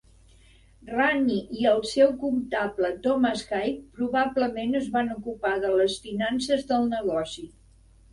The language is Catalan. Rannie i el seu comptable, Thomas Haig, probablement es van ocupar de les finances del negoci..